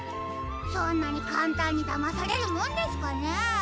そんなにかんたんにだまされるもんですかねえ？